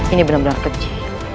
ini benar benar keji